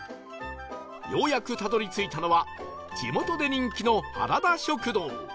ようやくたどり着いたのは地元で人気のはらだ食堂